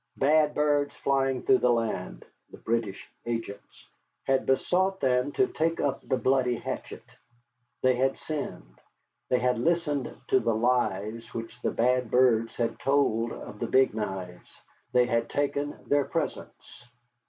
Bad birds flying through the land (the British agents) had besought them to take up the bloody hatchet. They had sinned. They had listened to the lies which the bad birds had told of the Big Knives, they had taken their presents.